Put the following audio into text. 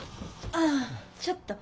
ああちょっと。